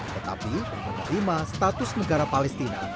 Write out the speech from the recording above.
tetapi menerima status negara palestina